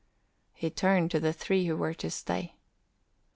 He turned to the three who were to stay.